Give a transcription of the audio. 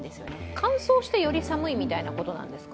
乾燥してより寒いみたいなことなんですか？